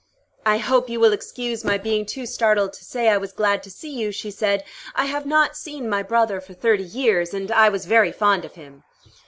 "I hope you will excuse my being too startled to say I was glad to see you," she said. "I have not seen my brother for thirty years, and I was very fond of him."